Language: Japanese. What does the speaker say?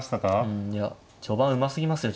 うんいや序盤うますぎますよ